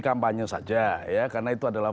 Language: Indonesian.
kampanye saja ya karena itu adalah